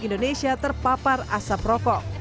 indonesia terpapar asap rokok